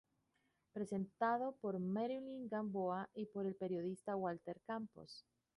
Presentado por Marilyn Gamboa y por el periodista Walter Campos.